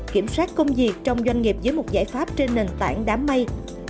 kiểm soát công việc trong doanh nghiệp với một giải pháp trên nền tảng đám mây